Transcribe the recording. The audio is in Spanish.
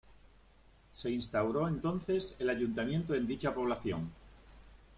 Se instauró entonces el Ayuntamiento en dicha población.